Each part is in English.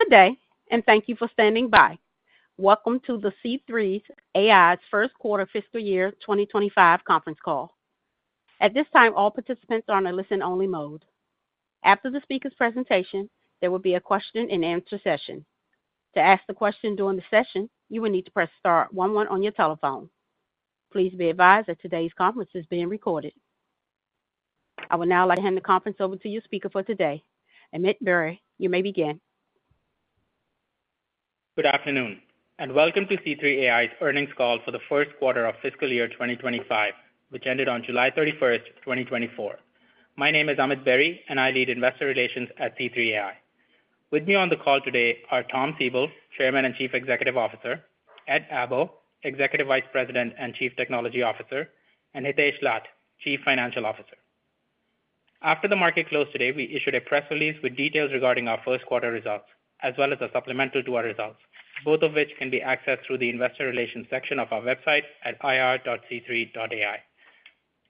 Good day, and thank you for standing by. Welcome to the C3 AI's first quarter fiscal year 2025 conference call. At this time, all participants are on a listen-only mode. After the speaker's presentation, there will be a question-and-answer session. To ask the question during the session, you will need to press star one one on your telephone. Please be advised that today's conference is being recorded. I will now like to hand the conference over to your speaker for today. Amit Berry, you may begin. Good afternoon, and welcome to C3 AI's earnings call for the first quarter of fiscal year twenty twenty-five, which ended on July thirty-first, twenty twenty-four. My name is Amit Berry, and I lead Investor Relations at C3 AI. With me on the call today are Tom Siebel, Chairman and Chief Executive Officer, Ed Abbo, Executive Vice President and Chief Technology Officer, and Hitesh Lath, Chief Financial Officer. After the market closed today, we issued a press release with details regarding our first quarter results, as well as a supplemental to our results, both of which can be accessed through the investor relations section of our website at ir.c3.ai.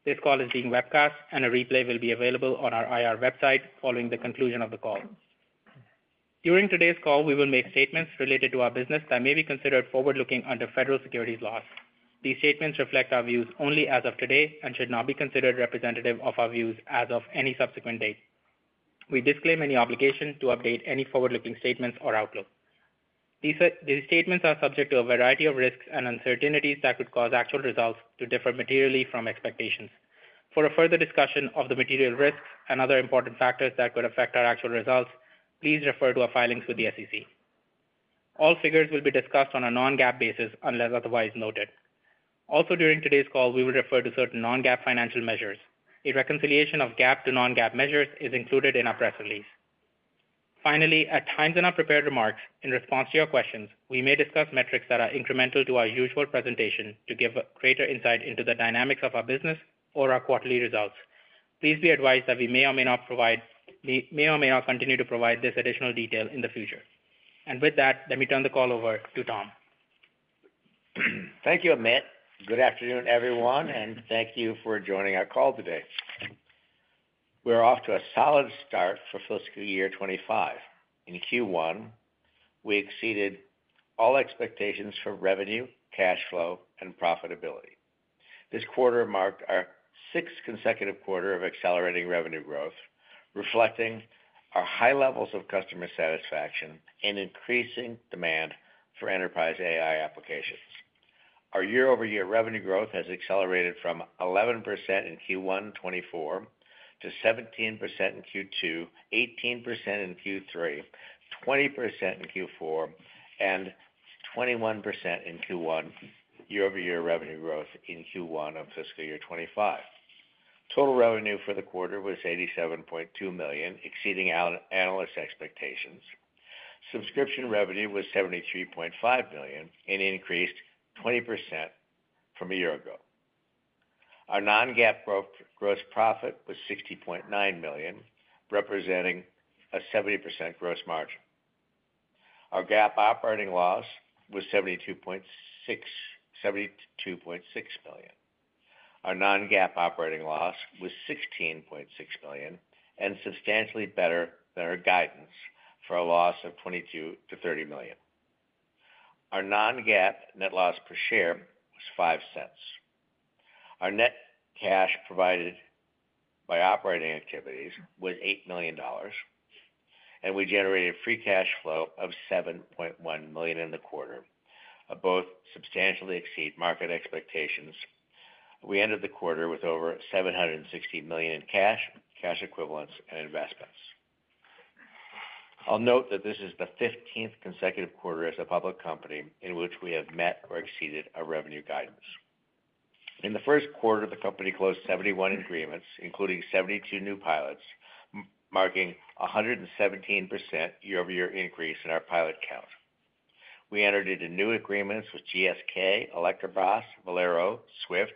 This call is being webcast, and a replay will be available on our IR website following the conclusion of the call. During today's call, we will make statements related to our business that may be considered forward-looking under federal securities laws. These statements reflect our views only as of today and should not be considered representative of our views as of any subsequent date. We disclaim any obligation to update any forward-looking statements or outlook. These statements are subject to a variety of risks and uncertainties that could cause actual results to differ materially from expectations. For a further discussion of the material risks and other important factors that could affect our actual results, please refer to our filings with the SEC. All figures will be discussed on a non-GAAP basis, unless otherwise noted. Also, during today's call, we will refer to certain non-GAAP financial measures. A reconciliation of GAAP to non-GAAP measures is included in our press release. Finally, at times in our prepared remarks, in response to your questions, we may discuss metrics that are incremental to our usual presentation to give a greater insight into the dynamics of our business or our quarterly results. Please be advised that we may or may not provide—we may or may not continue to provide this additional detail in the future. And with that, let me turn the call over to Tom. Thank you, Amit. Good afternoon, everyone, and thank you for joining our call today. We're off to a solid start for fiscal year 2025. In Q1, we exceeded all expectations for revenue, cash flow, and profitability. This quarter marked our sixth consecutive quarter of accelerating revenue growth, reflecting our high levels of customer satisfaction and increasing demand for enterprise AI applications. Our year-over-year revenue growth has accelerated from 11% in Q1 2024 to 17% in Q2, 18% in Q3, 20% in Q4, and 21% year-over-year revenue growth in Q1 of fiscal year 2025. Total revenue for the quarter was $87.2 million, exceeding analyst expectations. Subscription revenue was $73.5 million and increased 20% from a year ago. Our non-GAAP gross profit was $60.9 million, representing a 70% gross margin. Our GAAP operating loss was $72.6 million, $72.6 million. Our non-GAAP operating loss was $16.6 million and substantially better than our guidance for a loss of $22 million-$30 million. Our non-GAAP net loss per share was $0.05. Our net cash provided by operating activities was $8 million, and we generated free cash flow of $7.1 million in the quarter, both substantially exceed market expectations. We ended the quarter with over $760 million in cash, cash equivalents, and investments. I'll note that this is the 15th consecutive quarter as a public company in which we have met or exceeded our revenue guidance. In the first quarter, the company closed 71 agreements, including 72 new pilots, marking 117% year-over-year increase in our pilot count. We entered into new agreements with GSK, Eletrobras, Valero, SWIFT,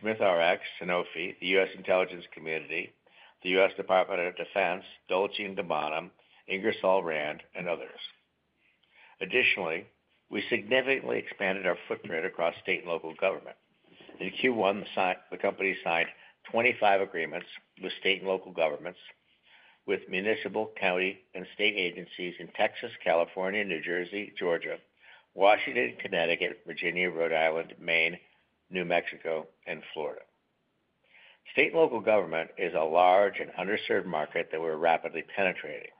SmithRx, Sanofi, the U.S. Intelligence Community, the U.S. Department of Defense, Dolce & Gabbana, Ingersoll Rand, and others. Additionally, we significantly expanded our footprint across state and local government. In Q1, the company signed 25 agreements with state and local governments, with municipal, county, and state agencies in Texas, California, New Jersey, Georgia, Washington, Connecticut, Virginia, Rhode Island, Maine, New Mexico, and Florida. State and local government is a large and underserved market that we're rapidly penetrating.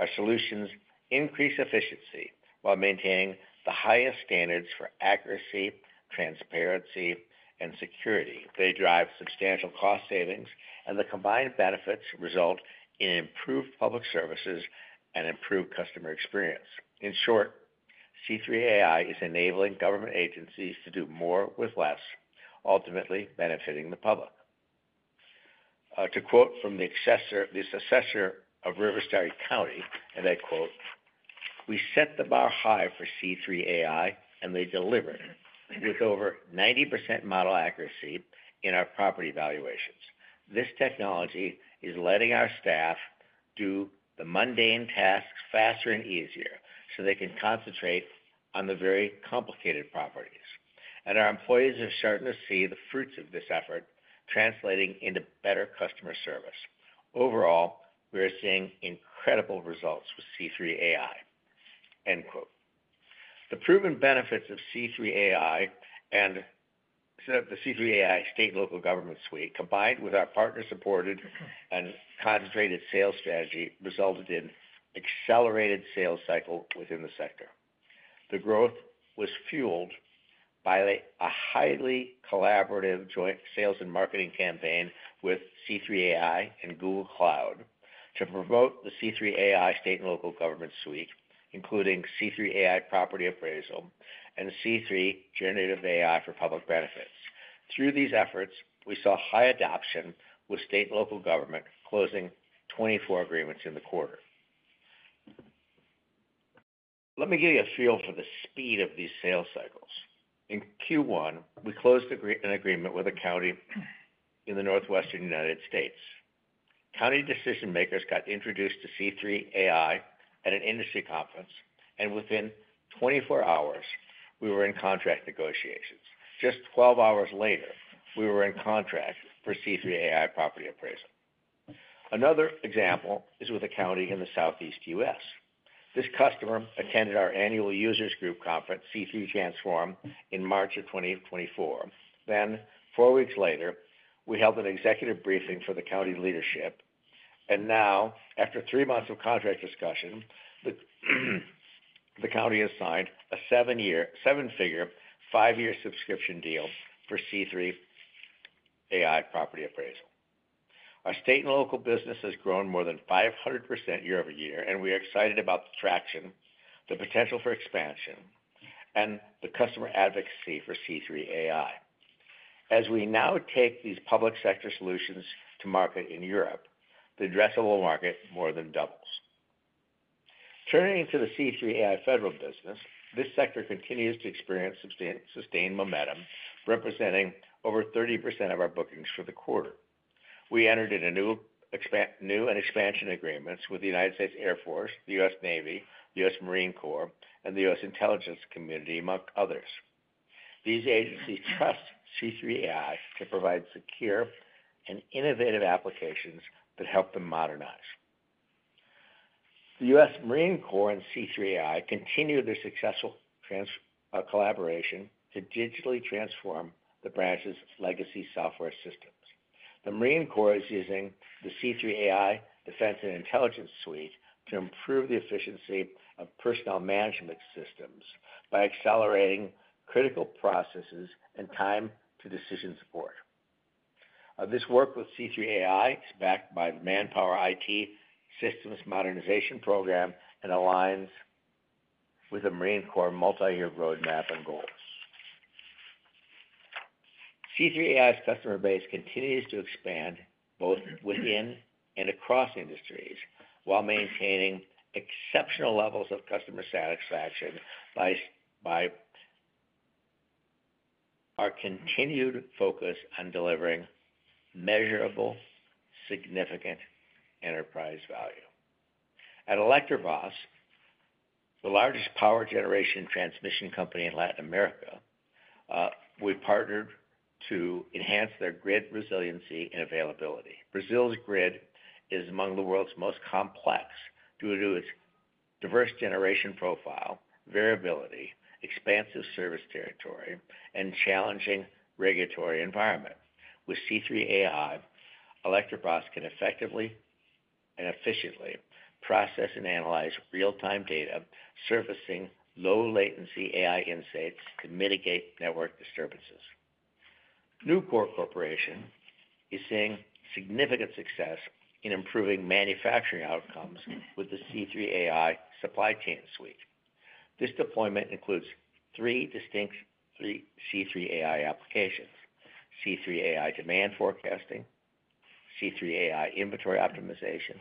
Our solutions increase efficiency while maintaining the highest standards for accuracy, transparency, and security. They drive substantial cost savings, and the combined benefits result in improved public services and improved customer experience. In short, C3 AI is enabling government agencies to do more with less, ultimately benefiting the public. To quote from the assessor, the assessor of Riverside County, and I quote, "We set the bar high for C3 AI, and they delivered with over 90% model accuracy in our property valuations. This technology is letting our staff do the mundane tasks faster and easier.".. so they can concentrate on the very complicated properties, and our employees are starting to see the fruits of this effort translating into better customer service. Overall, we are seeing incredible results with C3 AI, end quote. The proven benefits of C3 AI and so the C3 AI State and Local Government Suite, combined with our partner-supported and concentrated sales strategy, resulted in accelerated sales cycle within the sector. The growth was fueled by a highly collaborative joint sales and marketing campaign with C3 AI and Google Cloud to promote the C3 AI State and Local Government Suite, including C3 AI Property Appraisal and C3 Generative AI for Public Benefits. Through these efforts, we saw high adoption, with state and local government closing 24 agreements in the quarter. Let me give you a feel for the speed of these sales cycles. In Q1, we closed an agreement with a county in the Northwestern United States. County decision-makers got introduced to C3 AI at an industry conference, and within 24 hours, we were in contract negotiations. Just 12 hours later, we were in contract for C3 AI Property Appraisal. Another example is with a county in the Southeast United States. This customer attended our annual users group conference, C3 Transform, in March of 2024. Then, four weeks later, we held an executive briefing for the county leadership, and now, after three months of contract discussion, the county has signed a seven-year, seven-figure, five-year subscription deal for C3 AI Property Appraisal. Our state and local business has grown more than 500% year over year, and we are excited about the traction, the potential for expansion, and the customer advocacy for C3 AI. As we now take these public sector solutions to market in Europe, the addressable market more than doubles. Turning to the C3 AI federal business, this sector continues to experience sustained momentum, representing over 30% of our bookings for the quarter. We entered into new and expansion agreements with the United States Air Force, the U.S. Navy, the U.S. Marine Corps, and the U.S. Intelligence Community, among others. These agencies trust C3 AI to provide secure and innovative applications that help them modernize. The U.S. Marine Corps and C3 AI continue their successful collaboration to digitally transform the branch's legacy software systems. The Marine Corps is using the C3 AI Defense and Intelligence Suite to improve the efficiency of personnel management systems by accelerating critical processes and time to decision support. This work with C3 AI is backed by Manpower IT Systems Modernization Program and aligns with the Marine Corps multiyear roadmap and goals. C3 AI's customer base continues to expand both within and across industries, while maintaining exceptional levels of customer satisfaction by our continued focus on delivering measurable, significant enterprise value. At Eletronuclear, the largest power generation transmission company in Latin America, we partnered to enhance their grid resiliency and availability. Brazil's grid is among the world's most complex due to its diverse generation profile, variability, expansive service territory, and challenging regulatory environment. With C3 AI, Eletronuclear can effectively and efficiently process and analyze real-time data, surfacing low-latency AI insights to mitigate network disturbances. Nucor Corporation is seeing significant success in improving manufacturing outcomes with the C3 AI Supply Chain Suite. This deployment includes three distinct C3 AI applications: C3 AI Demand Forecasting, C3 AI Inventory Optimization,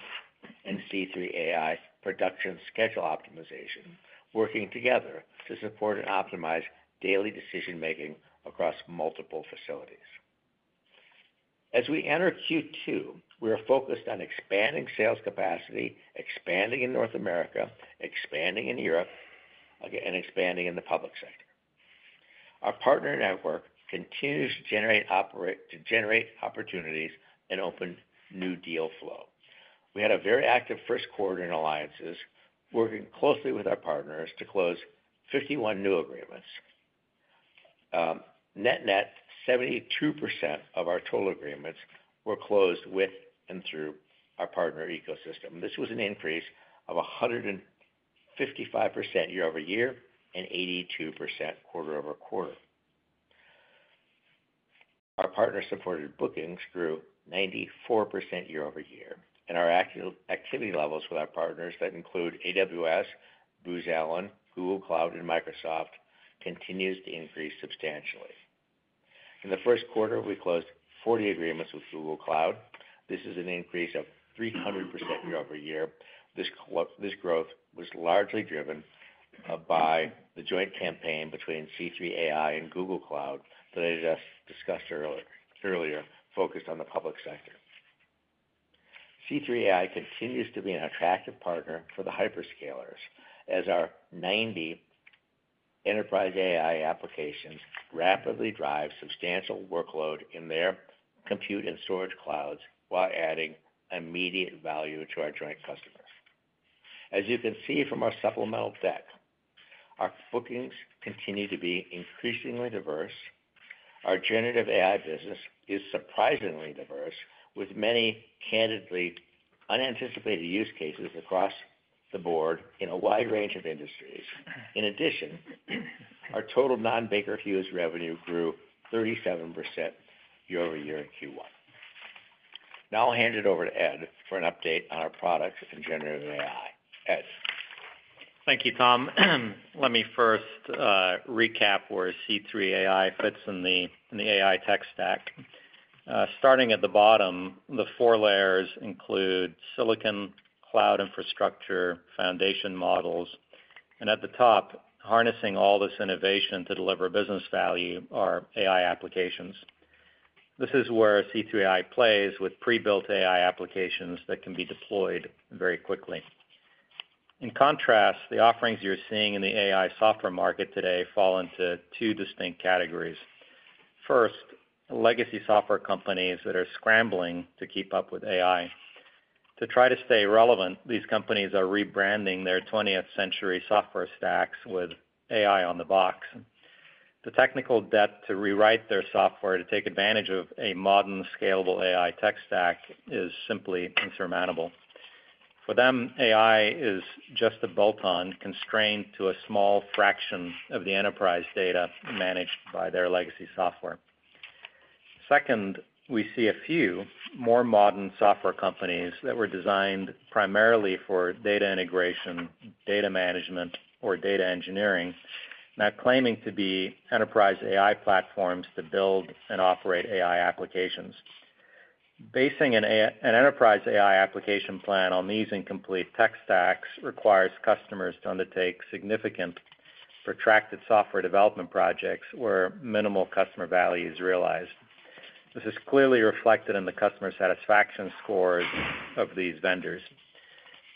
and C3 AI Production Schedule Optimization, working together to support and optimize daily decision-making across multiple facilities. As we enter Q2, we are focused on expanding sales capacity, expanding in North America, expanding in Europe, and expanding in the public sector. Our partner network continues to generate opportunities and open new deal flow. We had a very active first quarter in alliances, working closely with our partners to close 51 new agreements. Net-net, 72% of our total agreements were closed with and through our partner ecosystem. This was an increase of 155% year over year and 82% quarter over quarter. Our partner-supported bookings grew 94% year over year, and our activity levels with our partners that include AWS, Booz Allen, Google Cloud, and Microsoft, continues to increase substantially. In the first quarter, we closed 40 agreements with Google Cloud. This is an increase of 300% year over year. This growth was largely driven by the joint campaign between C3 AI and Google Cloud that I just discussed earlier, focused on the public sector. C3 AI continues to be an attractive partner for the hyperscalers, as our ninety enterprise AI applications rapidly drive substantial workload in their compute and storage clouds, while adding immediate value to our joint customers. As you can see from our supplemental deck, our bookings continue to be increasingly diverse. Our generative AI business is surprisingly diverse, with many candidly unanticipated use cases across the board in a wide range of industries. In addition, our total non-Baker Hughes revenue grew 37% year-over-year in Q1. Now I'll hand it over to Ed for an update on our products and generative AI. Ed? Thank you, Tom. Let me first recap where C3 AI fits in the AI tech stack. Starting at the bottom, the four layers include silicon, cloud infrastructure, foundation models, and at the top, harnessing all this innovation to deliver business value are AI applications. This is where C3 AI plays with prebuilt AI applications that can be deployed very quickly. In contrast, the offerings you're seeing in the AI software market today fall into two distinct categories. First, legacy software companies that are scrambling to keep up with AI. To try to stay relevant, these companies are rebranding their twentieth-century software stacks with AI on the box. The technical debt to rewrite their software to take advantage of a modern, scalable AI tech stack is simply insurmountable. For them, AI is just a bolt-on, constrained to a small fraction of the enterprise data managed by their legacy software. Second, we see a few more modern software companies that were designed primarily for data integration, data management, or data engineering, now claiming to be enterprise AI platforms to build and operate AI applications. Basing an enterprise AI application plan on these incomplete tech stacks requires customers to undertake significant protracted software development projects where minimal customer value is realized. This is clearly reflected in the customer satisfaction scores of these vendors.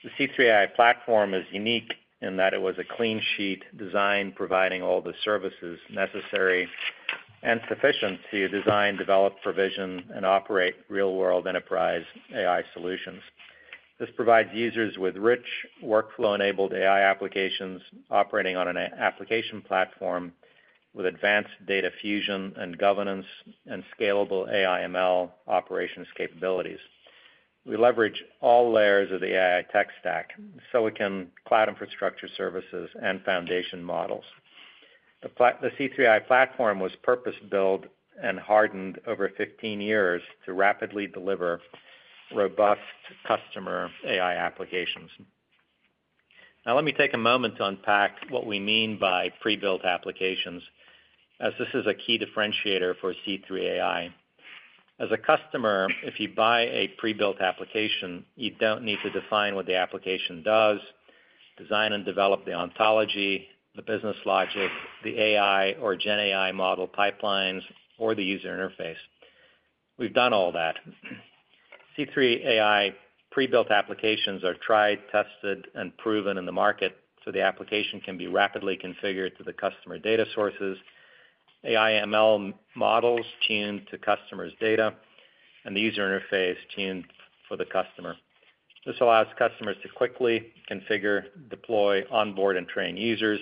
The C3 AI platform is unique in that it was a clean sheet design, providing all the services necessary and sufficient to design, develop, provision, and operate real-world enterprise AI solutions. This provides users with rich, workflow-enabled AI applications operating on an application platform with advanced data fusion and governance and scalable AI ML operations capabilities. We leverage all layers of the AI tech stack, silicon, cloud infrastructure services, and foundation models. The C3 AI platform was purpose-built and hardened over fifteen years to rapidly deliver robust customer AI applications. Now, let me take a moment to unpack what we mean by prebuilt applications, as this is a key differentiator for C3 AI. As a customer, if you buy a prebuilt application, you don't need to define what the application does, design and develop the ontology, the business logic, the AI or Gen AI model pipelines, or the user interface. We've done all that. C3 AI prebuilt applications are tried, tested, and proven in the market, so the application can be rapidly configured to the customer data sources, AI ML models tuned to customers' data, and the user interface tuned for the customer. This allows customers to quickly configure, deploy, onboard, and train users,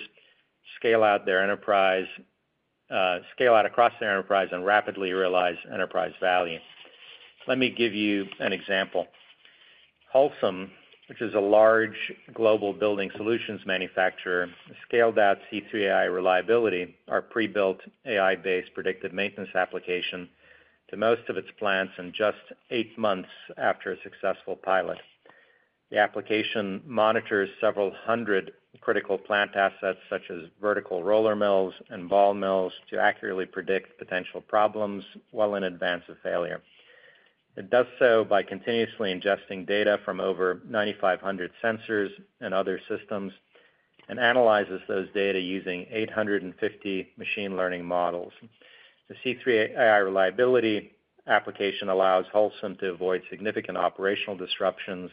scale out their enterprise, scale out across their enterprise, and rapidly realize enterprise value. Let me give you an example. Holcim, which is a large global building solutions manufacturer, scaled out C3 AI Reliability, our prebuilt AI-based predictive maintenance application, to most of its plants in just eight months after a successful pilot. The application monitors several hundred critical plant assets, such as vertical roller mills and ball mills, to accurately predict potential problems well in advance of failure. It does so by continuously ingesting data from over 9,500 sensors and other systems, and analyzes those data using 850 machine learning models. The C3 AI Reliability application allows Holcim to avoid significant operational disruptions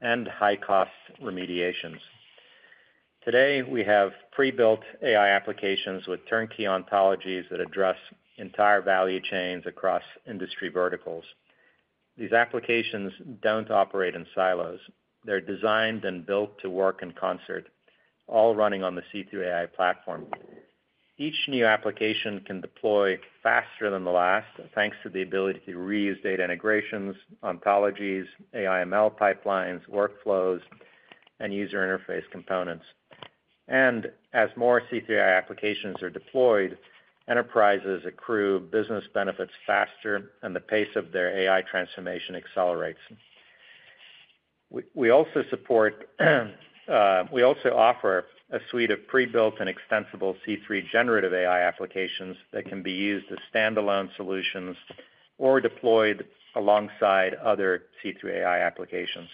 and high-cost remediations. Today, we have prebuilt AI applications with turnkey ontologies that address entire value chains across industry verticals. These applications don't operate in silos. They're designed and built to work in concert, all running on the C3 AI Platform. Each new application can deploy faster than the last, thanks to the ability to reuse data integrations, ontologies, AI ML pipelines, workflows, and user interface components. And as more C3 AI applications are deployed, enterprises accrue business benefits faster, and the pace of their AI transformation accelerates. We also offer a suite of prebuilt and extensible C3 Generative AI applications that can be used as standalone solutions or deployed alongside other C3 AI applications.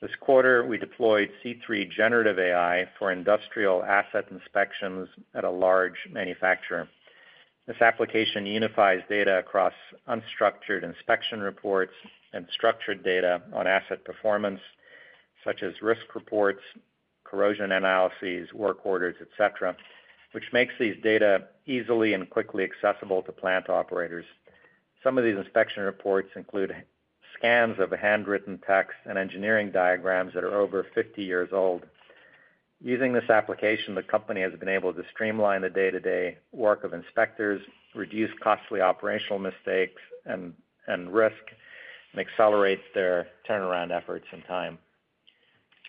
This quarter, we deployed C3 Generative AI for Industrial Asset Inspections at a large manufacturer. This application unifies data across unstructured inspection reports and structured data on asset performance, such as risk reports, corrosion analyses, work orders, et cetera, which makes these data easily and quickly accessible to plant operators. Some of these inspection reports include scans of handwritten text and engineering diagrams that are over 50 years old. Using this application, the company has been able to streamline the day-to-day work of inspectors, reduce costly operational mistakes and risk, and accelerate their turnaround efforts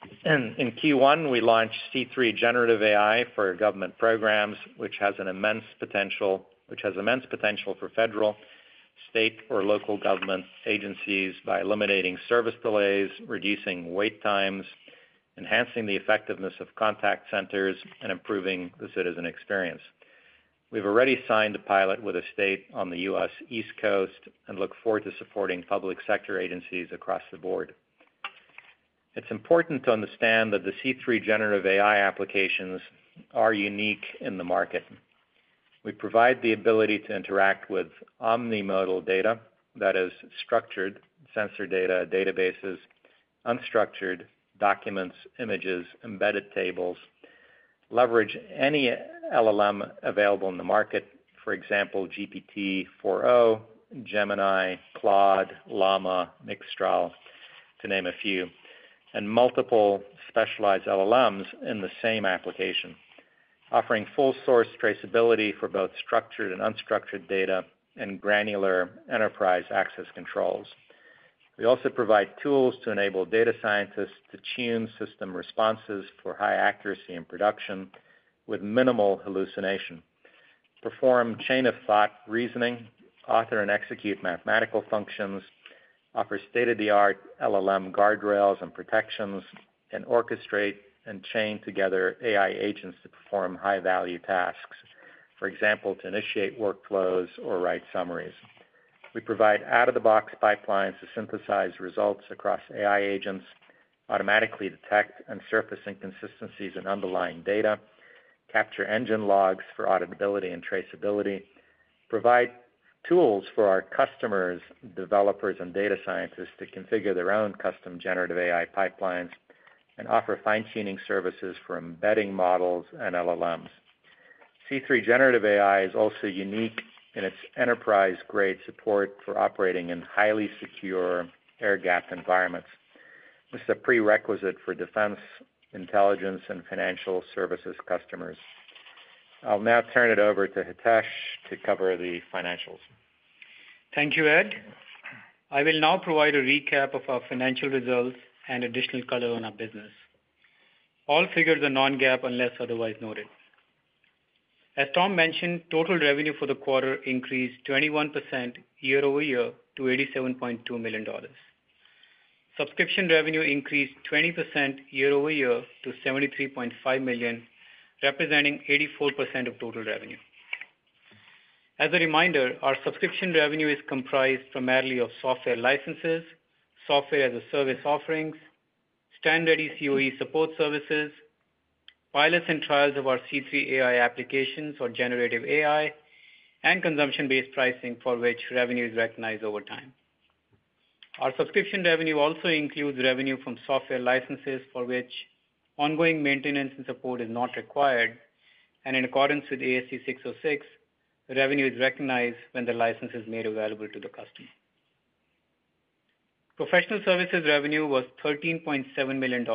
and time. In Q1, we launched C3 Generative AI for Government Programs, which has immense potential for federal, state, or local government agencies by eliminating service delays, reducing wait times, enhancing the effectiveness of contact centers, and improving the citizen experience. We've already signed a pilot with a state on the U.S. East Coast, and look forward to supporting public sector agencies across the board. It's important to understand that the C3 Generative AI applications are unique in the market. We provide the ability to interact with omni-modal data, that is, structured sensor data, databases, unstructured documents, images, embedded tables, leverage any LLM available in the market, for example, GPT-4o, Gemini, Claude, Llama, Mixtral, to name a few, and multiple specialized LLMs in the same application, offering full source traceability for both structured and unstructured data and granular enterprise access controls. We also provide tools to enable data scientists to tune system responses for high accuracy and production with minimal hallucination, perform chain-of-thought reasoning, author and execute mathematical functions, offer state-of-the-art LLM guardrails and protections, and orchestrate and chain together AI agents to perform high-value tasks. For example, to initiate workflows or write summaries. We provide out-of-the-box pipelines to synthesize results across AI agents, automatically detect and surface inconsistencies in underlying data, capture engine logs for auditability and traceability, provide tools for our customers, developers, and data scientists to configure their own custom generative AI pipelines, and offer fine-tuning services for embedding models and LLMs. C3 Generative AI is also unique in its enterprise-grade support for operating in highly secure air-gapped environments. This is a prerequisite for defense, intelligence, and financial services customers. I'll now turn it over to Hitesh to cover the financials. Thank you, Ed. I will now provide a recap of our financial results and additional color on our business. All figures are non-GAAP, unless otherwise noted. As Tom mentioned, total revenue for the quarter increased 21% year over year to $87.2 million. Subscription revenue increased 20% year over year to $73.5 million, representing 84% of total revenue. As a reminder, our subscription revenue is comprised primarily of software licenses, software as a service offerings, standard CoE support services, pilots and trials of our C3 AI applications for generative AI, and consumption-based pricing, for which revenue is recognized over time. Our subscription revenue also includes revenue from software licenses for which ongoing maintenance and support is not required, and in accordance with ASC 606, the revenue is recognized when the license is made available to the customer. Professional services revenue was $13.7 million.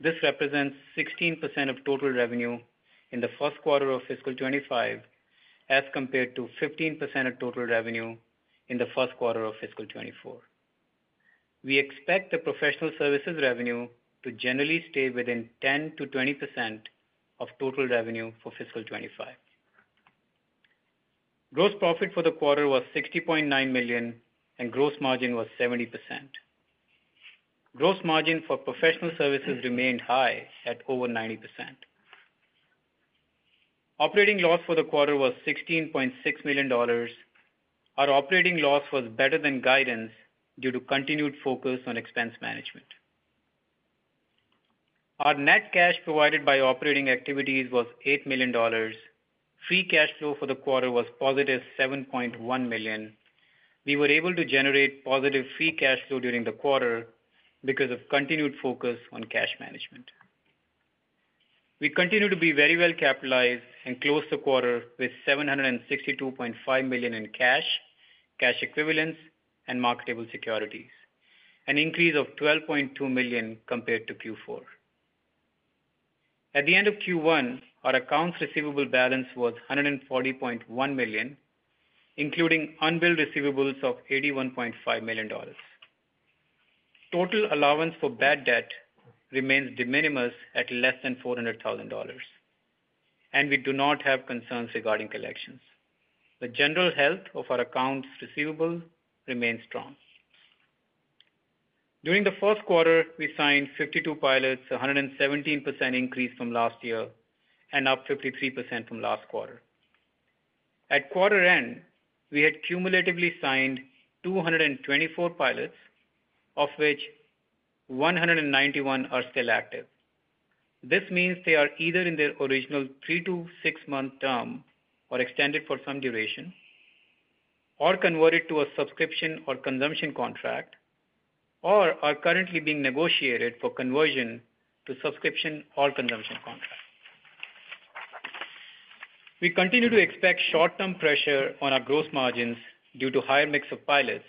This represents 16% of total revenue in the first quarter of fiscal 2025, as compared to 15% of total revenue in the first quarter of fiscal 2024. We expect the professional services revenue to generally stay within 10%-20% of total revenue for fiscal 2025. Gross profit for the quarter was $60.9 million, and gross margin was 70%. Gross margin for professional services remained high at over 90%. Operating loss for the quarter was $16.6 million. Our operating loss was better than guidance due to continued focus on expense management. Our net cash provided by operating activities was $8 million. Free cash flow for the quarter was positive $7.1 million. We were able to generate positive free cash flow during the quarter because of continued focus on cash management. We continue to be very well capitalized and closed the quarter with $762.5 million in cash, cash equivalents, and marketable securities, an increase of $12.2 million compared to Q4. At the end of Q1, our accounts receivable balance was $140.1 million, including unbilled receivables of $81.5 million. Total allowance for bad debt remains de minimis at less than $400,000, and we do not have concerns regarding collections. The general health of our accounts receivable remains strong. During the first quarter, we signed 52 pilots, a 117% increase from last year and up 53% from last quarter. At quarter end, we had cumulatively signed 224 pilots, of which 191 are still active. This means they are either in their original three to six-month term or extended for some duration, or converted to a subscription or consumption contract, or are currently being negotiated for conversion to subscription or consumption contract. We continue to expect short-term pressure on our gross margins due to higher mix of pilots,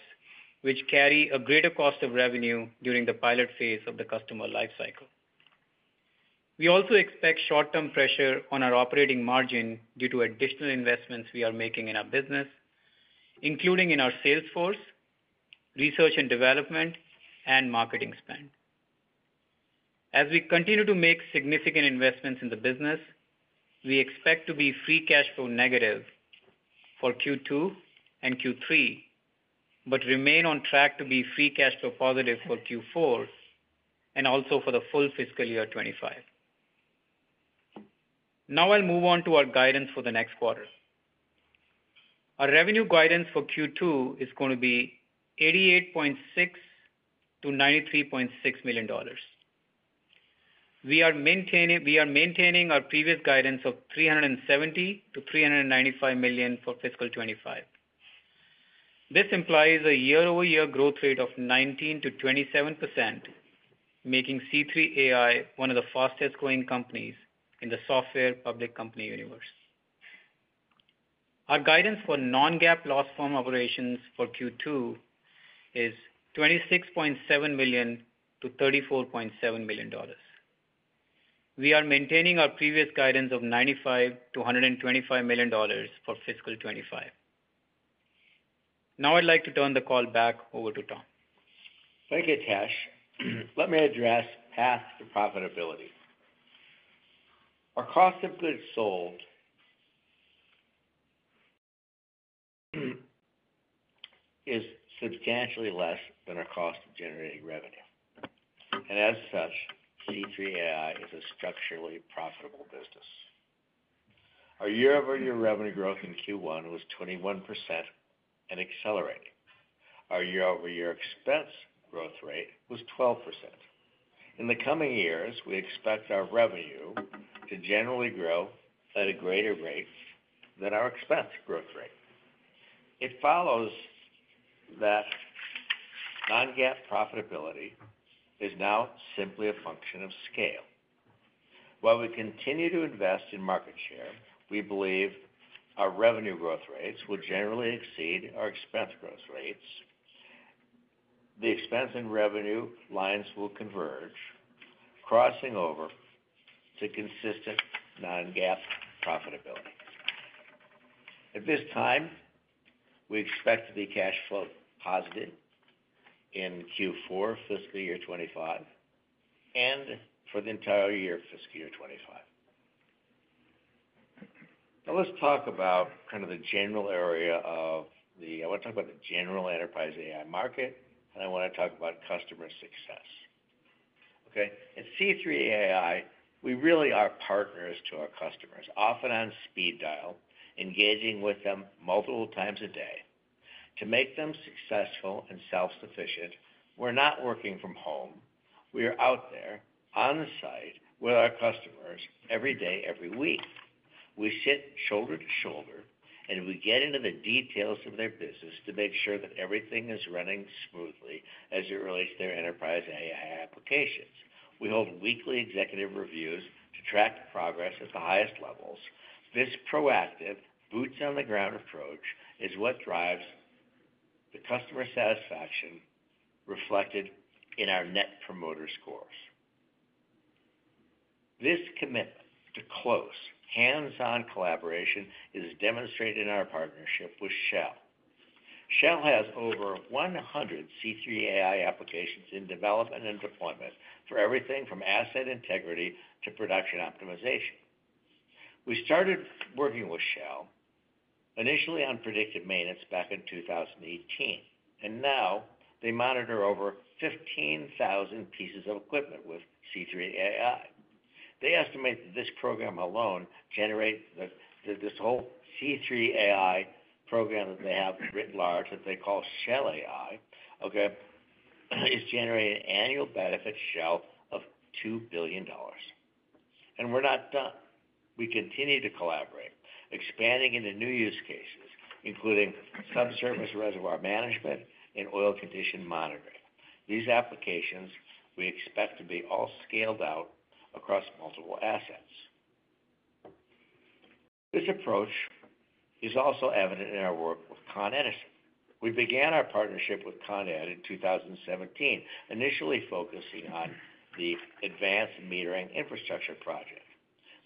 which carry a greater cost of revenue during the pilot phase of the customer life cycle. We also expect short-term pressure on our operating margin due to additional investments we are making in our business, including in our sales force, research and development, and marketing spend. As we continue to make significant investments in the business, we expect to be free cash flow negative for Q2 and Q3, but remain on track to be free cash flow positive for Q4 and also for the full fiscal year 2025. Now I'll move on to our guidance for the next quarter. Our revenue guidance for Q2 is going to be $88.6-$93.6 million. We are maintaining our previous guidance of $370-$395 million for fiscal 2025. This implies a year-over-year growth rate of 19%-27%, making C3 AI one of the fastest growing companies in the software public company universe. Our guidance for non-GAAP loss from operations for Q2 is $26.7-$34.7 million. We are maintaining our previous guidance of $95-$125 million for fiscal twenty-five. Now, I'd like to turn the call back over to Tom. Thank you, Hitesh. Let me address path to profitability. Our cost of goods sold is substantially less than our cost of generating revenue, and as such, C3 AI is a structurally profitable business. Our year-over-year revenue growth in Q1 was 21% and accelerating. Our year-over-year expense growth rate was 12%. In the coming years, we expect our revenue to generally grow at a greater rate than our expense growth rate. It follows that non-GAAP profitability is now simply a function of scale. While we continue to invest in market share, we believe our revenue growth rates will generally exceed our expense growth rates. The expense and revenue lines will converge, crossing over to consistent non-GAAP profitability. At this time, we expect to be cash flow positive in Q4, fiscal year 2025, and for the entire year, fiscal year 2025. Now, let's talk about the general enterprise AI market, and I want to talk about customer success. Okay. At C3 AI, we really are partners to our customers, often on speed dial, engaging with them multiple times a day to make them successful and self-sufficient. We're not working from home. We are out there on the site with our customers every day, every week. We sit shoulder to shoulder, and we get into the details of their business to make sure that everything is running smoothly as it relates to their enterprise AI applications. We hold weekly executive reviews to track progress at the highest levels. This proactive, boots on the ground approach is what drives the customer satisfaction reflected in our net promoter scores. This commitment to close, hands-on collaboration is demonstrated in our partnership with Shell. Shell has over 100 C3 AI applications in development and deployment for everything from asset integrity to production optimization. We started working with Shell initially on predictive maintenance back in 2018, and now they monitor over 15,000 pieces of equipment with C3 AI. They estimate that this program alone generates this whole C3 AI program that they have writ large, that they call Shell AI, okay, is generating annual benefits Shell of $2 billion. And we're not done. We continue to collaborate, expanding into new use cases, including subsurface reservoir management and oil condition monitoring. These applications, we expect to be all scaled out across multiple assets. This approach is also evident in our work with Con Edison. We began our partnership with Con Ed in 2017, initially focusing on the advanced metering infrastructure project.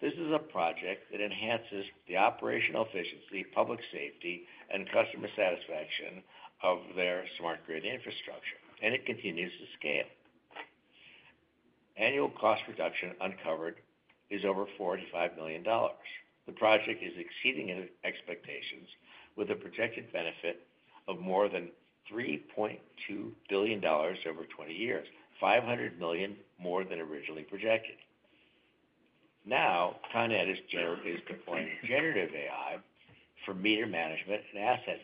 This is a project that enhances the operational efficiency, public safety, and customer satisfaction of their smart grid infrastructure, and it continues to scale. Annual cost reduction uncovered is over $45 million. The project is exceeding expectations with a projected benefit of more than $3.2 billion over twenty years, $500 million more than originally projected. Now, Con Edison is deploying generative AI for meter management and asset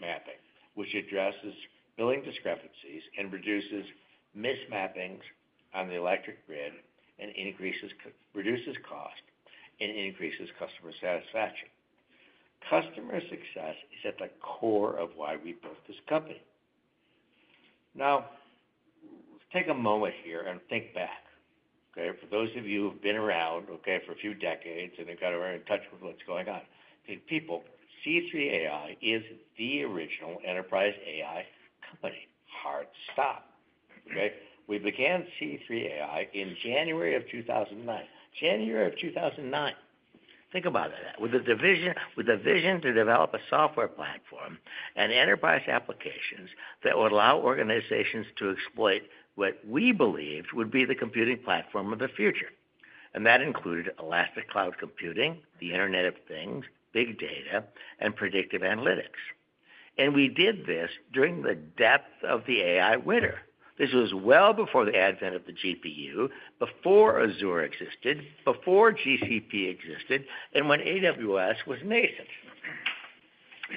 mapping, which addresses billing discrepancies and reduces mismappings on the electric grid, and reduces cost and increases customer satisfaction. Customer success is at the core of why we built this company. Now, let's take a moment here and think back, okay? For those of you who've been around, okay, for a few decades, and they've got very in touch with what's going on. Hey, people, C3 AI is the original enterprise AI company. Hard stop, okay? We began C3 AI in January of two thousand and nine. January of two thousand and nine. Think about that with a vision to develop a software platform and enterprise applications that would allow organizations to exploit what we believed would be the computing platform of the future, and that included elastic cloud computing, the Internet of Things, big data, and predictive analytics, and we did this during the depth of the AI winter. This was well before the advent of the GPU, before Azure existed, before GCP existed, and when AWS was nascent.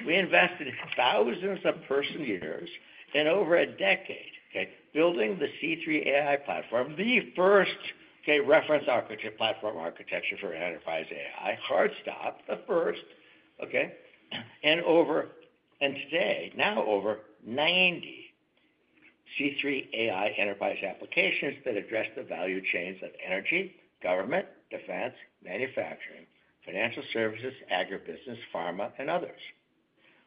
We invested thousands of person-years and over a decade, okay, building the C3 AI platform, the first, okay, reference architecture, platform architecture for enterprise AI. Hard stop, the first, okay? And today, now over 90 C3 AI enterprise applications that address the value chains of energy, government, defense, manufacturing, financial services, agribusiness, pharma, and others.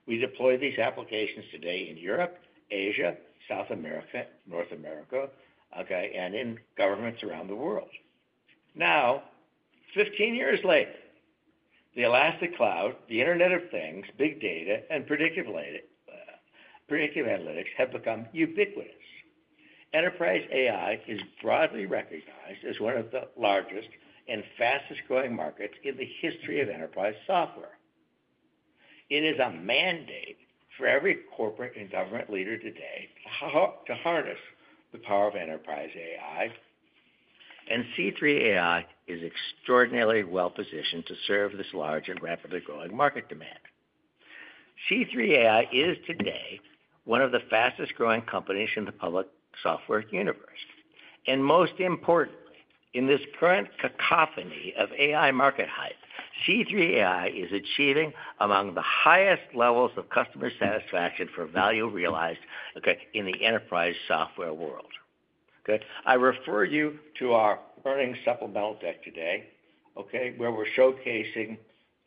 We deploy these applications today in Europe, Asia, South America, North America, okay, and in governments around the world. Now, 15 years later, the elastic cloud, the Internet of Things, big data, and predictive analytics have become ubiquitous. Enterprise AI is broadly recognized as one of the largest and fastest-growing markets in the history of enterprise software. It is a mandate for every corporate and government leader today to harness the power of enterprise AI, and C3 AI is extraordinarily well-positioned to serve this large and rapidly growing market demand. C3 AI is today one of the fastest-growing companies in the public software universe, and most importantly, in this current cacophony of AI market hype, C3 AI is achieving among the highest levels of customer satisfaction for value realized, okay, in the enterprise software world. Okay, I refer you to our earnings supplemental deck today, okay, where we're showcasing,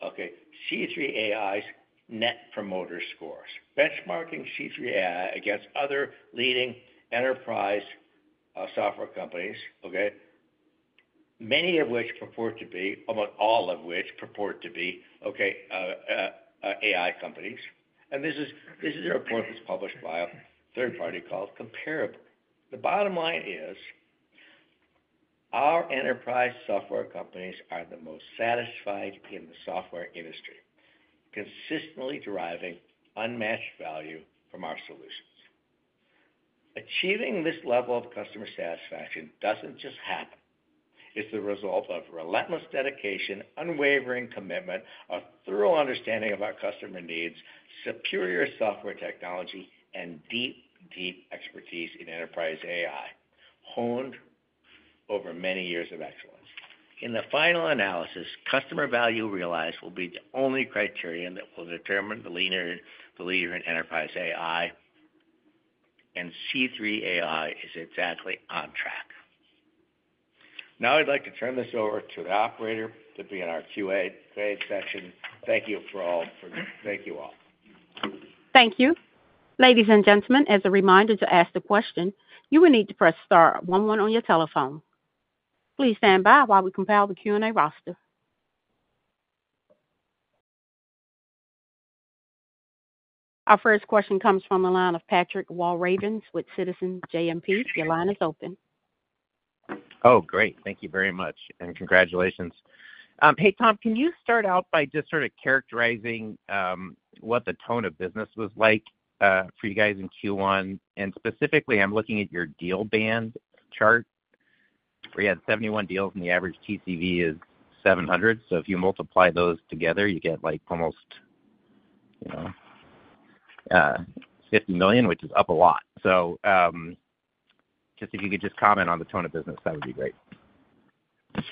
okay, C3 AI's net promoter scores, benchmarking C3 AI against other leading enterprise software companies, okay? Many of which purport to be, almost all of which purport to be, okay, AI companies. And this is a report that's published by a third party called Comparably. The bottom line is, our enterprise software companies are the most satisfied in the software industry, consistently deriving unmatched value from our solutions. Achieving this level of customer satisfaction doesn't just happen. It's the result of relentless dedication, unwavering commitment, a thorough understanding of our customer needs, superior software technology, and deep, deep expertise in enterprise AI, honed over many years of excellence. In the final analysis, customer value realized will be the only criterion that will determine the leader, the leader in enterprise AI, and C3 AI is exactly on track. Now, I'd like to turn this over to the operator to begin our QA session. Thank you all. Thank you. Ladies and gentlemen, as a reminder to ask the question, you will need to press star one one on your telephone. Please stand by while we compile the Q&A roster. Our first question comes from the line of Patrick Walravens with Citizens JMP. Your line is open. Oh, great. Thank you very much, and congratulations. Hey, Tom, can you start out by just sort of characterizing what the tone of business was like for you guys in Q1? And specifically, I'm looking at your deal band chart, where you had 71 deals, and the average TCV is 700. So if you multiply those together, you get, like, almost, you know, $50 million, which is up a lot. Just if you could just comment on the tone of business, that would be great. It's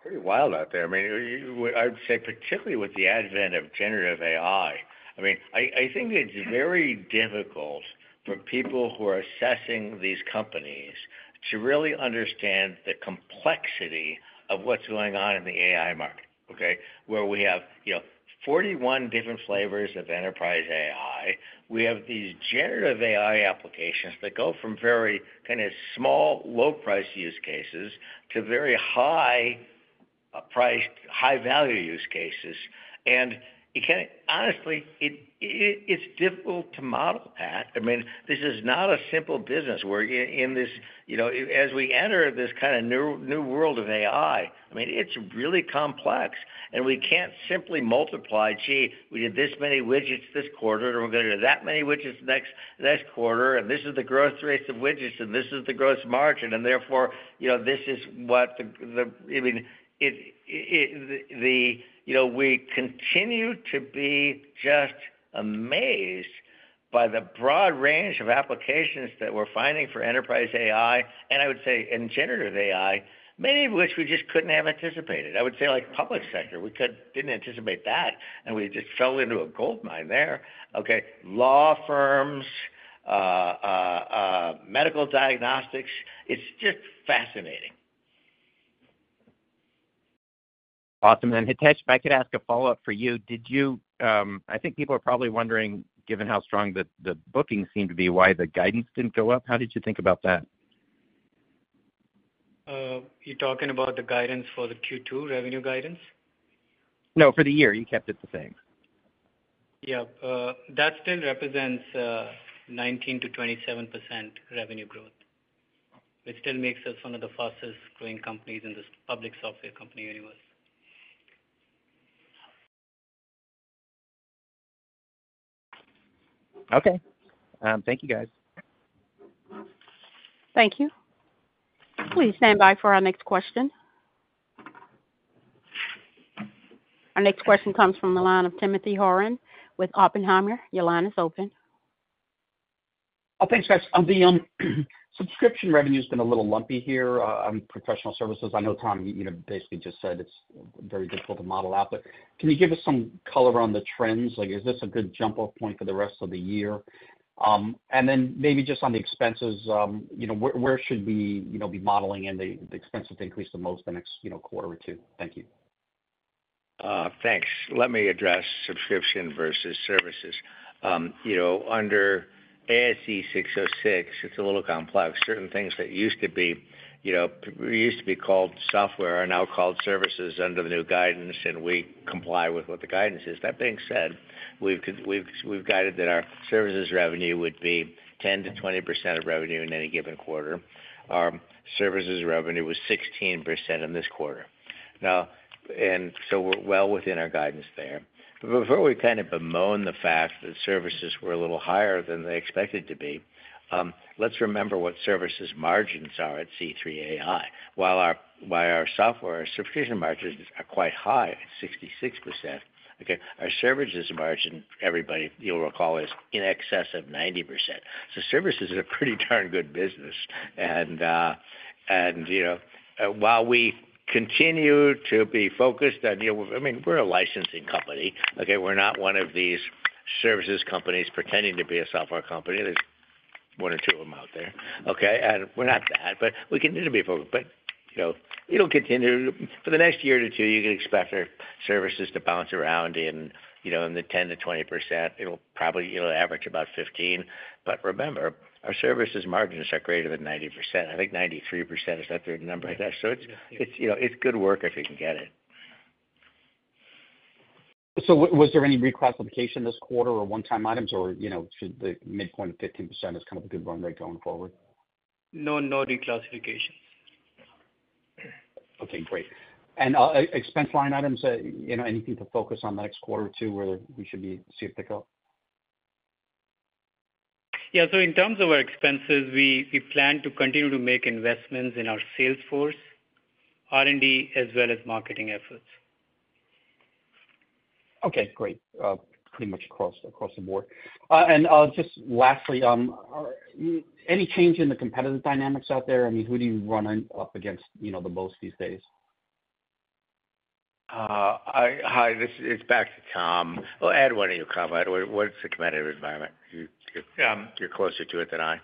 pretty wild out there. I mean, I'd say, particularly with the advent of generative AI, I mean, I think it's very difficult for people who are assessing these companies to really understand the complexity of what's going on in the AI market, okay? Where we have, you know, 41 different flavors of enterprise AI. We have these generative AI applications that go from very kind of small, low-priced use cases to very high-priced, high-value use cases. And you can't honestly, it's difficult to model, Pat. I mean, this is not a simple business. We're in this... You know, as we enter this kind of new world of AI, I mean, it's really complex, and we can't simply multiply, "Gee, we did this many widgets this quarter, and we're gonna do that many widgets next quarter, and this is the growth rates of widgets, and this is the gross margin, and therefore, you know, this is what the" - I mean, the, you know, we continue to be just amazed by the broad range of applications that we're finding for enterprise AI, and I would say in generative AI, many of which we just couldn't have anticipated. I would say, like, public sector, we could-- didn't anticipate that, and we just fell into a goldmine there, okay? Law firms, medical diagnostics, it's just fascinating. Awesome. And Hitesh, if I could ask a follow-up for you. Did you, I think people are probably wondering, given how strong the bookings seem to be, why the guidance didn't go up? How did you think about that? You're talking about the guidance for the Q2 revenue guidance? No, for the year, you kept it the same. Yeah. That still represents 19%-27% revenue growth, which still makes us one of the fastest growing companies in this public software company universe. Okay. Thank you, guys. Thank you. Please stand by for our next question. Our next question comes from the line of Timothy Horan with Oppenheimer. Your line is open. Oh, thanks, guys. The subscription revenue's been a little lumpy here on professional services. I know, Tom, you know, basically just said it's very difficult to model out. But can you give us some color on the trends? Like, is this a good jump-off point for the rest of the year? And then maybe just on the expenses, you know, where should we, you know, be modeling in the expenses to increase the most the next, you know, quarter or two? Thank you. Thanks. Let me address subscription versus services. You know, under ASC 606, it's a little complex. Certain things that used to be, you know, used to be called software are now called services under the new guidance, and we comply with what the guidance is. That being said, we've guided that our services revenue would be 10% to 20% of revenue in any given quarter. Our services revenue was 16% in this quarter. Now, and so we're well within our guidance there. But before we kind of bemoan the fact that services were a little higher than they expected to be, let's remember what services margins are at C3 AI. While our software subscription margins are quite high, at 66%, okay, our services margin, everybody, you'll recall, is in excess of 90%. Services are a pretty darn good business. And, you know, while we continue to be focused on, you know. I mean, we're a licensing company, okay? We're not one of these services companies pretending to be a software company. There's one or two of them out there. Okay, and we're not that, but we continue to be focused. But, you know, it'll continue. For the next year or two, you can expect our services to bounce around in, you know, in the 10-20%. It'll probably average about 15%. But remember, our services margins are greater than 90%. I think 93% is out there, the number like that. So it's, you know, it's good work if you can get it. So was there any reclassification this quarter or one-time items? Or, you know, should the midpoint of 15% is kind of a good run rate going forward? No, no reclassification. Okay, great. And, expense line items, you know, anything to focus on the next quarter or two, where we should be seeing if they go? Yeah, so in terms of our expenses, we plan to continue to make investments in our sales force, R&D, as well as marketing efforts. Okay, great. Pretty much across the board. Just lastly, any change in the competitive dynamics out there? I mean, who do you run up against, you know, the most these days? Hi, this is back to Tom. Well, Ed, why don't you comment? What, what's the competitive environment? You- Okay. You're closer to it than I.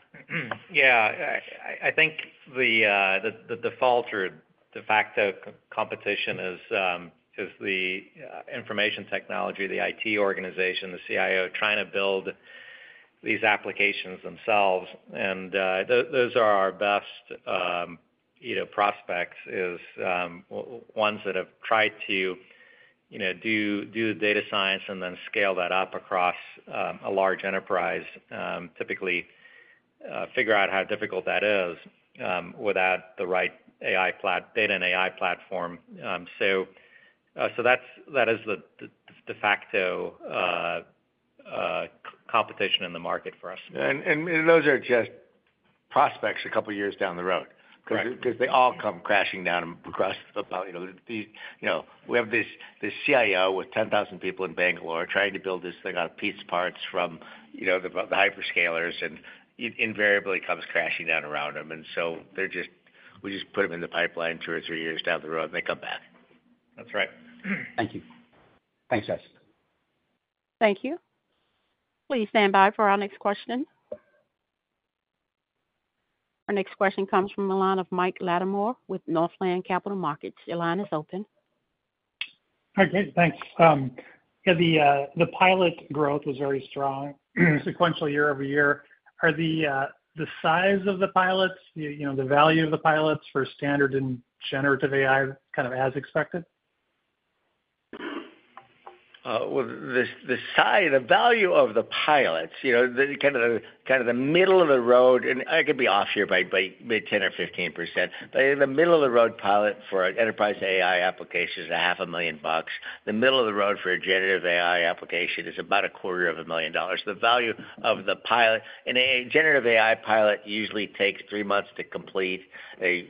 Yeah. I think the default or de facto competition is the information technology, the IT organization, the CIO, trying to build these applications themselves. And those are our best, you know, prospects, ones that have tried to, you know, do data science and then scale that up across a large enterprise, typically figure out how difficult that is without the right data and AI platform. So that's, that is the de facto competition in the market for us. Those are just prospects a couple of years down the road. Correct. Cause they all come crashing down across the board. You know, we have this CIO with 10,000 people in Bangalore trying to build this thing out of piece parts from, you know, the hyperscalers, and it invariably comes crashing down around them. And so they're just. We just put them in the pipeline two or three years down the road, and they come back. That's right. Thank you. Thanks, guys. Thank you. Please stand by for our next question. Our next question comes from the line of Mike Latimore with Northland Capital Markets. Your line is open. Hi, guys, thanks. Yeah, the pilot growth was very strong, sequential year over year. Are the size of the pilots, you know, the value of the pilots for standard and generative AI, kind of as expected? Well, the size, the value of the pilots, you know, the kind of the middle of the road, and I could be off here by mid-10 or 15%, but in the middle of the road pilot for an enterprise AI application is $500,000. The middle of the road for a generative AI application is about $250,000. The value of the pilot, and a generative AI pilot usually takes three months to complete. An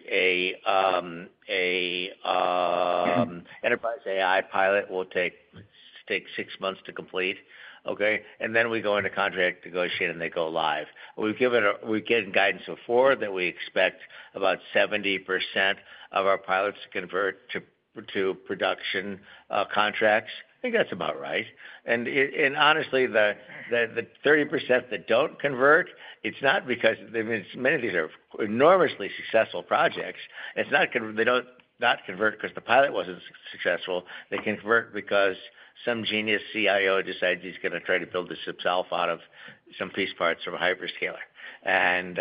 enterprise AI pilot will take six months to complete, okay? And then we go into contract negotiation, and they go live. We've given guidance before that we expect about 70% of our pilots to convert to production contracts. I think that's about right. Honestly, the 30% that don't convert, it's not because, I mean, many of these are enormously successful projects. It's not they don't not convert because the pilot wasn't successful. They convert because some genius CIO decides he's gonna try to build this himself out of some piece parts from a hyperscaler, and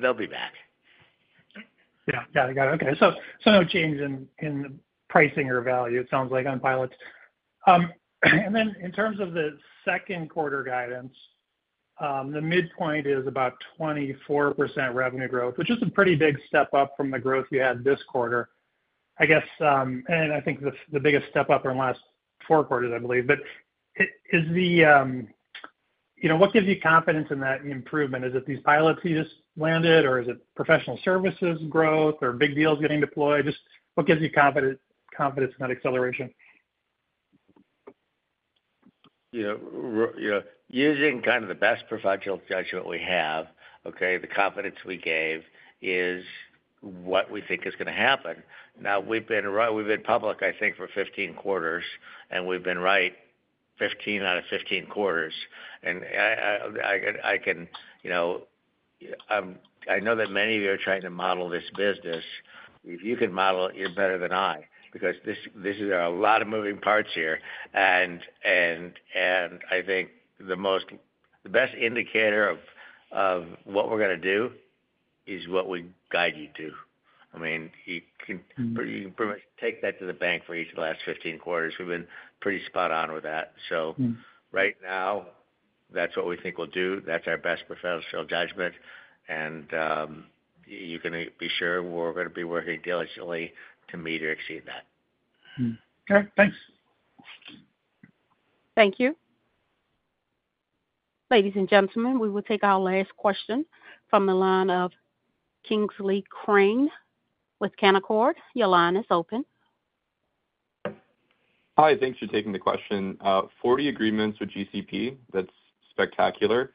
they'll be back. Yeah. Got it, got it. Okay. So no change in the pricing or value, it sounds like, on pilots. And then in terms of the second quarter guidance, the midpoint is about 24% revenue growth, which is a pretty big step up from the growth you had this quarter. I guess, and I think the biggest step up in the last four quarters, I believe, but is the, you know, what gives you confidence in that improvement? Is it these pilots you just landed, or is it professional services growth or big deals getting deployed? Just what gives you confidence in that acceleration? Yeah, using kind of the best professional judgment we have, okay, the confidence we gave is what we think is gonna happen. Now, we've been public, I think, for 15 quarters, and we've been right 15 out of 15 quarters. And I can, you know, I know that many of you are trying to model this business. If you can model it, you're better than I, because this is a lot of moving parts here. And I think the most. The best indicator of what we're gonna do is what we guide you to. I mean, you Can.. You can pretty much take that to the bank for each of the last fifteen quarters. We've been pretty spot on with that. Okay. So right now, that's what we think we'll do. That's our best professional judgment, and, you can be sure we're gonna be working diligently to meet or exceed that. Okay, thanks. Thank you. Ladies and gentlemen, we will take our last question from the line of Kingsley Crane with Canaccord. Your line is open. Hi, thanks for taking the question. 40 agreements with GCP. That's spectacular.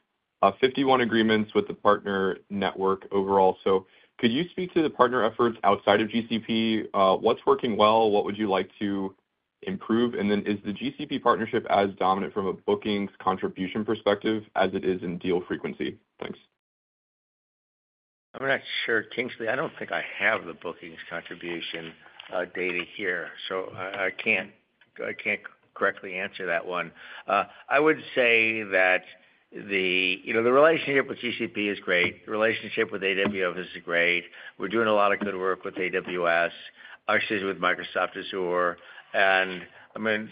51 agreements with the partner network overall. So could you speak to the partner efforts outside of GCP? What's working well? What would you like to improve? And then, is the GCP partnership as dominant from a bookings contribution perspective as it is in deal frequency? Thanks. I'm not sure, Kingsley. I don't think I have the bookings contribution data here, so I can't correctly answer that one. I would say that the, you know, the relationship with GCP is great. The relationship with AWS is great. We're doing a lot of good work with AWS, obviously, with Microsoft Azure, and, I mean,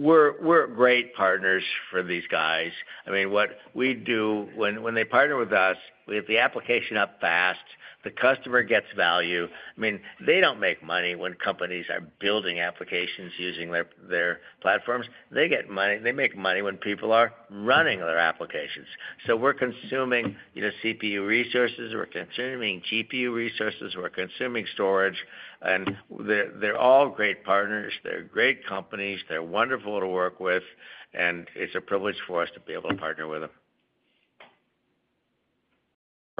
we're great partners for these guys. I mean, what we do when they partner with us, we have the application up fast, the customer gets value. I mean, they don't make money when companies are building applications using their platforms. They get money, they make money when people are running their applications. So we're consuming, you know, CPU resources, we're consuming GPU resources, we're consuming storage, and they're all great partners. They're great companies, they're wonderful to work with, and it's a privilege for us to be able to partner with them.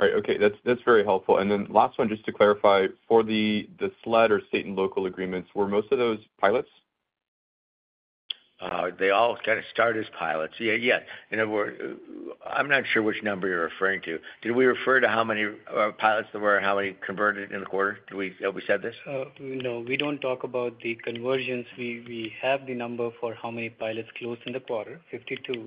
All right. Okay. That's, that's very helpful. And then last one, just to clarify, for the SLED or state and local agreements, were most of those pilots? They all kind of start as pilots. Yeah, yeah. In other words, I'm not sure which number you're referring to. Did we refer to how many pilots there were or how many converted in the quarter? Did we say this? No, we don't talk about the conversions. We, we have the number for how many pilots closed in the quarter, 52, out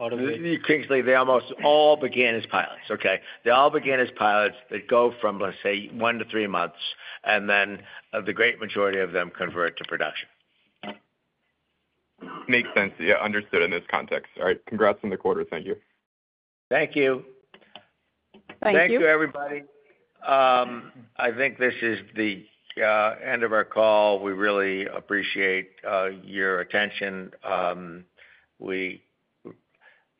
of which. Kingsley, they almost all began as pilots, okay? They all began as pilots that go from, let's say, one to three months, and then the great majority of them convert to production. Makes sense. Yeah, understood in this context. All right. Congrats on the quarter. Thank you. Thank you. Thank you. Thank you, everybody. I think this is the end of our call. We really appreciate your attention. We,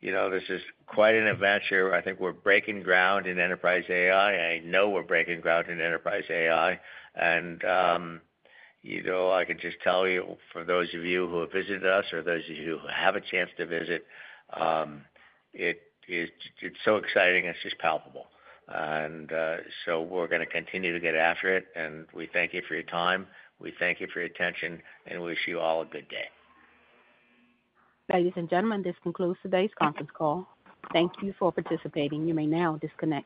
you know, this is quite an adventure. I think we're breaking ground in enterprise AI. I know we're breaking ground in enterprise AI, and you know, I can just tell you, for those of you who have visited us or those of you who have a chance to visit, it is, it's so exciting, it's just palpable. And so we're gonna continue to get after it, and we thank you for your time, we thank you for your attention, and wish you all a good day. Ladies and gentlemen, this concludes today's conference call. Thank you for participating. You may now disconnect.